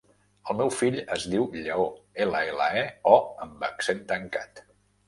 El meu fill es diu Lleó: ela, ela, e, o amb accent tancat.